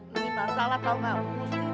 ini masalah tau ga umus